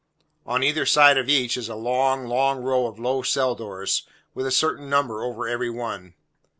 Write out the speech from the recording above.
On either side of each, is a long, long row of low cell doors, with a certain number over every one.